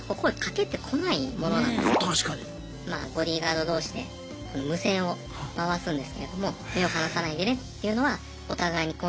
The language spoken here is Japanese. まあボディーガード同士で無線を回すんですけれども目を離さないでねっていうのはお互いにコンタクトします。